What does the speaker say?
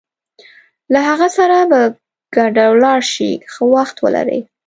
له هغه سره به په ګډه ولاړ شې، ښه وخت ولرئ.